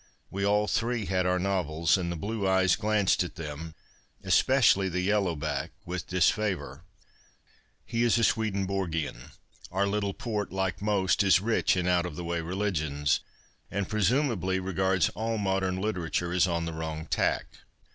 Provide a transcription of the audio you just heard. We all three had our novels, and the blue cj^es glanced at them, especially the yellow baek, with disfavour. lie is a Swcdcnborgian — our little port, like most, is rich in out of the way religions — and presumably regards all modern literature as on the wrong tack.